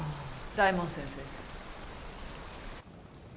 大門先生。